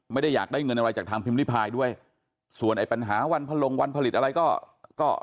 ไม่ได้อยากได้เงินอะไรจากทางพิมพ์ริพายด้วยส่วนไอ้ปัญหาวันพลงวันผลิตอะไรก็ก็